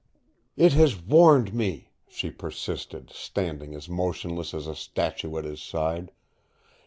"It has warned me," she persisted, standing as motionless as a statue at his side.